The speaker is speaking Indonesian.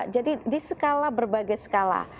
jadi di skala berbagai skala